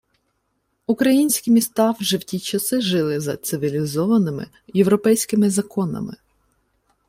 Українські міста вже в ті часи жили за цивілізованими європейськими законами